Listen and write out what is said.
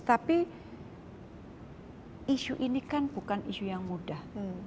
tapi isu ini kan bukan isu yang mudah